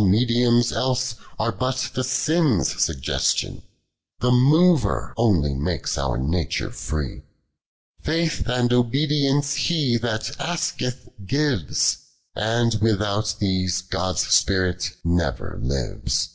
mediums idsc are but tho sin's suggestion, Tlie mover onely makes our nature iiec ; Faith and obedience He that askctb gives ; And without these Ood's Spirit never lives.